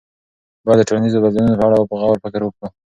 باید د ټولنیزو بدلونونو په اړه په غور فکر وکړو.